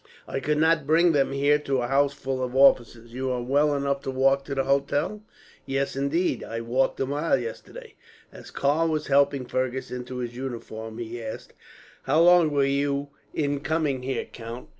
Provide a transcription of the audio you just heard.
I could not bring them here, to a house full of officers. You are well enough to walk to the hotel?" "Yes, indeed. I walked a mile yesterday." As Karl was helping Fergus into his uniform, he asked: "How long were you in coming here, count?"